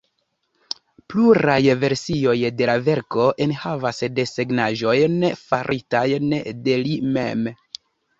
Pluraj versioj de la verko enhavas desegnaĵojn faritajn de li mem.